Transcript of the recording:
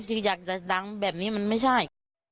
จริงอยากจะดังแบบนี้มันไม่ใช่